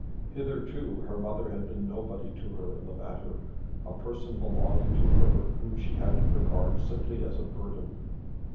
Hitherto her mother had been nobody to her in the matter, a person belonging to her whom she had to regard simply as a burden.